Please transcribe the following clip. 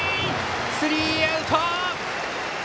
スリーアウト！